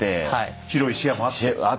広い視野もあって。